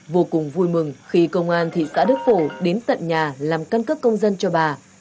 vô cùng vui mừng khi công an thị xã đức phổ đến tận nhà làm căn cước công dân cho bà